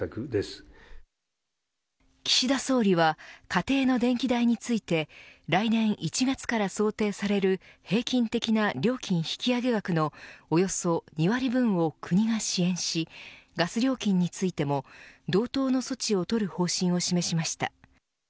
岸田総理は家庭の電気代について来年１月から想定される平均的な料金引き上げ額のおよそ２割分を国が支援しガス料金についても同等の措置を取る方針を示しました。